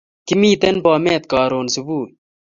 Kimten Bomet karun subui